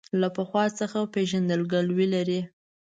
له پخوا څخه پېژندګلوي لري.